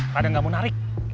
padahal gak mau narik